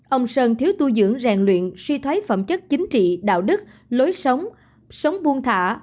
ông sơn thiếu tu dưỡng rèn luyện suy thoái phẩm chất chính trị đạo đức lối sống sống buông thả